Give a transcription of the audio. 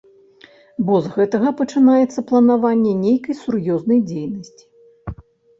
Бо з гэтага пачынаецца планаванне нейкай сур'ёзнай дзейнасці.